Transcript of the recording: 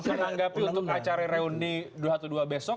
saya menganggapi untuk acara reundi dua ratus dua besok